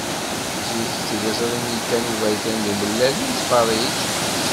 Zik d tiliẓri-nni kan uberkan d umellal i nettferrij.